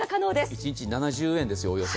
一日７０円ですよ、およそ。